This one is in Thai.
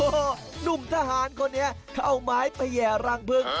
โฮหนุ่มทหารคนนี้เขาเอาไม้ไปแหย่รังพึ่ง